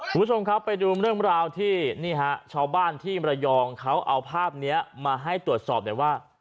คุณผู้ชมครับไปดูเรื่องราวที่นี่ฮะชาวบ้านที่มรยองเขาเอาภาพนี้มาให้ตรวจสอบหน่อยว่า